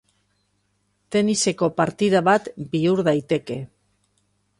Teniseko partida bat bihur daiteke.